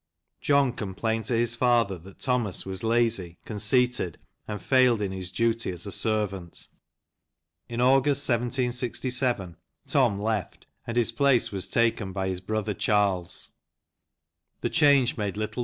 John com plained to his father that Thomas was lazy, conceited, and failed in his duty as a servant. In August, 1767, Tom left, and his place was taken by his brother Charles. The change made little ii8 BYGONE LANCASHIRE.